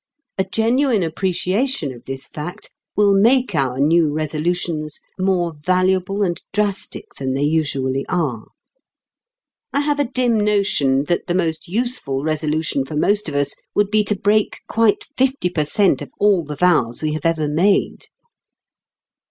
A genuine appreciation of this fact will make our new Resolutions more valuable and drastic than they usually are. I have a dim notion that the most useful Resolution for most of us would be to break quite fifty per cent. of all the vows we have ever made.